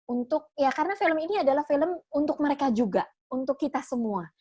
untuk ya karena film ini adalah film untuk mereka juga untuk kita semua